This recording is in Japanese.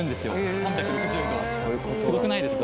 ３６０度すごくないですか？